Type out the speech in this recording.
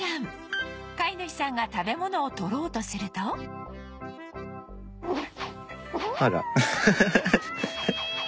飼い主さんが食べ物を取ろうとするとわあかわいい！